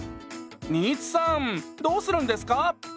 新津さんどうするんですか？